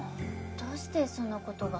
どうしてそんなことが？